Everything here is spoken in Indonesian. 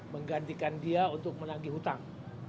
menggantikan dia untuk menagih hutang